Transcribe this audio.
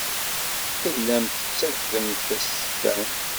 Tellamt tettgemt tasestant.